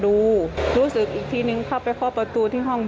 ดูนาน